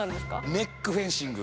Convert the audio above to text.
ネックフェンシング。